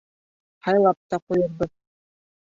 — Һайлап та ҡуйырбыҙ.